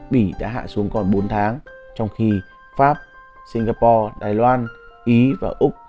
bỉ đã hạ xuống còn bốn tháng trong khi pháp singapore đài loan ý và úc